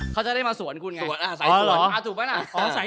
เขาจะได้มาสวนคุณไง